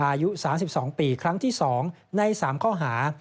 อายุ๓๒ปีครั้งที่๒ใน๓ข้อหา